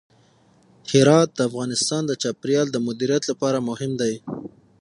هرات د افغانستان د چاپیریال د مدیریت لپاره مهم دي.